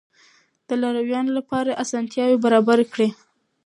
د لارويانو لپاره اسانتیاوې برابرې کړئ.